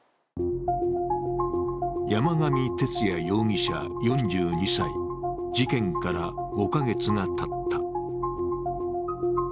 山上徹也容疑者４２歳、事件から５か月がたった。